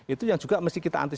itu yang juga mesti kita antisipa